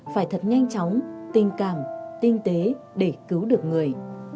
phải thật nhanh chóng tình cảm tinh tế để cứu được người